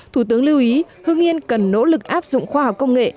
thủ tướng lưu ý hương yên cần nỗ lực áp dụng khoa học công nghệ